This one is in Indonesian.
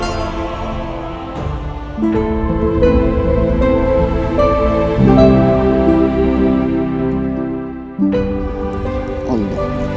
apakah di dalam mata begini